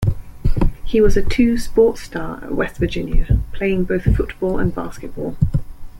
He was a two-sport star at West Virginia, playing both football and basketball.